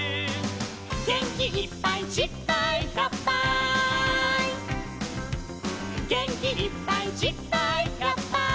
「げんきいっぱいじっぱいひゃっぱい」「げんきいっぱいじっぱいひゃっぱい」